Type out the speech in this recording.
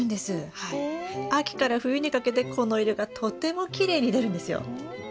秋から冬にかけてこの色がとてもきれいに出るんですよ。